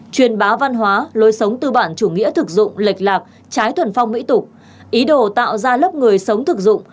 truyền bá văn hóa lối sống tư bản chủ nghĩa thực dụng lệch lạc trái thuần phong mỹ tục ý đồ tạo ra lớp người sống thực dụng